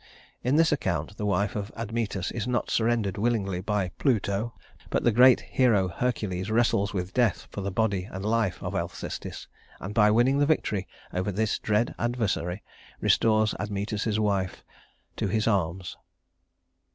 In this account the wife of Admetus is not surrendered willingly by Pluto, but the great hero Hercules wrestles with Death for the body and life of Alcestis, and by winning the victory over this dread adversary, restores Admetus's wife to his arms.